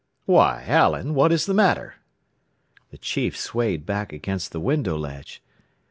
"Why, Allen, what is the matter?" The chief swayed back against the window ledge.